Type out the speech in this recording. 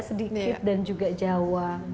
sedikit dan juga jawa